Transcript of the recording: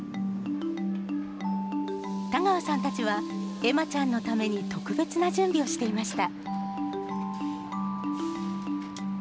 田川さんたちは、恵麻ちゃんのために特別な準備をしていました。